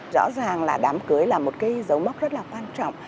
rõ ràng là đám cưới là một cái dấu mốc rất là quan trọng